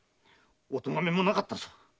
お咎めもなかったぞ！